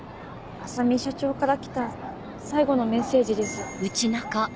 浅海社長から来た最後のメッセージです。